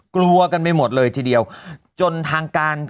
กลวกันไปหมดเลยทีเดียวจนทางการของสิงคโปร์เนี่ย